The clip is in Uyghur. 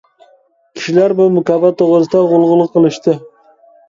كىشىلەر بۇ مۇكاپات توغرىسىدا غۇلغۇلا قىلىشتى.